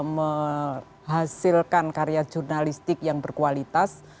menghasilkan karya jurnalistik yang berkualitas